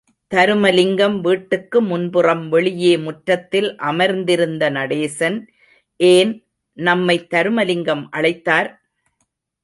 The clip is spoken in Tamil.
தருமலிங்கம் வீட்டுக்கு முன்புறம் வெளியே முற்றத்தில் அமர்ந்திருந்த நடேசன், ஏன், நம்மை தருமலிங்கம் அழைத்தார்?